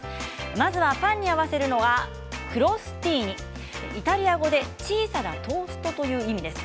まずパンに合わせるのはクロスティーニイタリア語で小さなトーストという意味です。